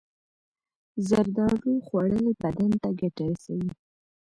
زردالو خوړل بدن ته ګټه رسوي.